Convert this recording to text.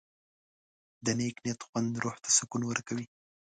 د نیک نیت خوند روح ته سکون ورکوي.